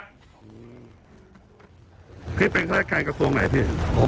พี่เป็นเครื่องราชการกระทรวงไหนพี่